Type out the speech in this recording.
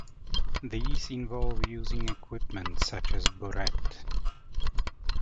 These involve using equipment such as a burette.